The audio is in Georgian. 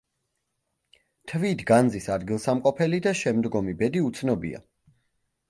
თვით განძის ადგილსამყოფელი და შემდგომი ბედი უცნობია.